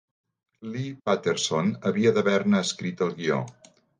Lee Patterson havia d'haver-ne escrit el guió.